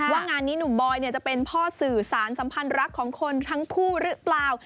ว่างานนี้หนุ่มบอยจะเป็นพ่อสื่อสารสัมพันธ์รักของคนทั้งคู่หรือเปล่า